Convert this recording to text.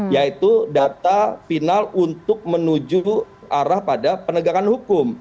yaitu data final untuk menuju arah pada penegakan hukum